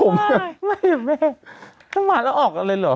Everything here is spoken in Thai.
มันมาแล้วออกเลยหรอ